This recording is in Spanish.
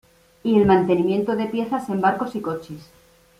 Y en mantenimiento de piezas en barcos y coches.